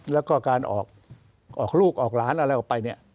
และการออกลูกออกร้านอะไรออกไป